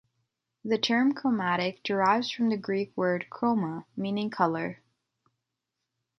The term "chromatic" derives from the Greek word "chroma", meaning "color".